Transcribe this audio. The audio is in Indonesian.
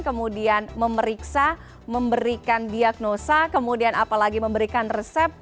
kemudian memeriksa memberikan diagnosa kemudian apalagi memberikan resep